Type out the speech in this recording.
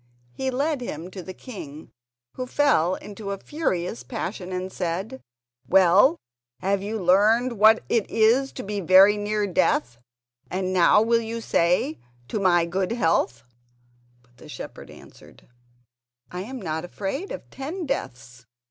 He led him to the king, who fell into a furious passion, and said: "Well, you have learned what it is to be very near death, and now will you say 'To my good health'?" But the shepherd answered: "I am not afraid of ten deaths!